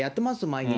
毎日。